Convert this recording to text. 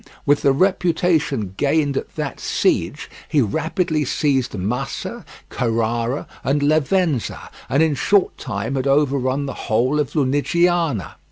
With the reputation gained at that siege, he rapidly seized Massa, Carrara, and Lavenza, and in a short time had overrun the whole of Lunigiana.